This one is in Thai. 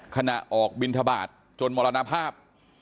ขณะออกบินทบาทจนมรณภาพ